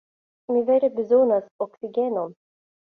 Mi vere bezonas oksigenon.